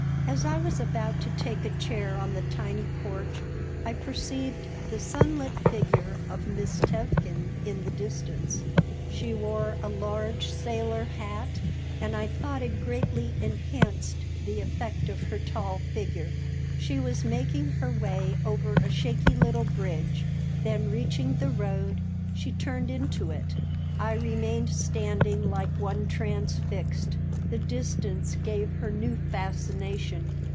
As I was about to take a chair on the tiny porch I perceived the sunlit figure of Miss Tevkin in the distance. She wore a large sailor hat and I thought it greatly enhanced the effect of her tall figure. She was making her way over a shaky little bridge. Then, reaching the road, she turned into it. I remained standing like one transfixed. The distance gave her new fascination.